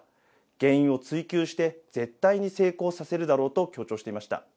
原因を追究して、絶対に成功させるだろうと強調していました。